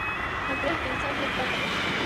تفریح د انسان د ژوند برخه ده.